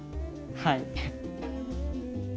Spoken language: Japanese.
はい。